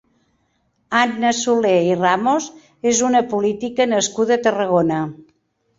Anna Solé i Ramos és una política nascuda a Tarragona.